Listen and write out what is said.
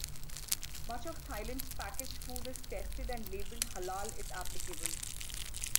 Much of Thailand's packaged food is tested and labelled halal if applicable.